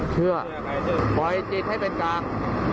เชื่อปล่อยจิตให้เป็นกลาง